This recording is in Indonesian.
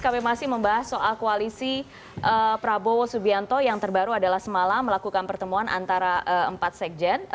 kami masih membahas soal koalisi prabowo subianto yang terbaru adalah semalam melakukan pertemuan antara empat sekjen